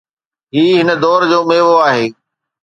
هي هن دور جو ميوو آهي.